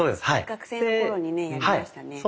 学生の頃にねやりましたね。